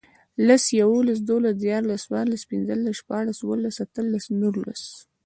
لس, یوولس, دوولس, دیرلس، څوارلس, پنځلس, شپاړس, اووهلس, اتهلس, نورلس